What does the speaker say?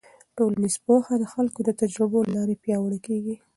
ټولنیز پوهه د خلکو د تجربو له لارې پیاوړې کېږي.